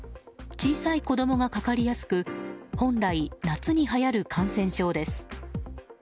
小さい子供がかかりやすく本来、夏にはやる感染症です。